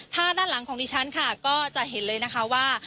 ถ้าด้านหลังของดิฉันค่ะก็จะเห็นเลยนะคะว่า